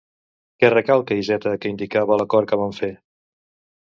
Què recalca Iceta que indicava l'acord que van fer?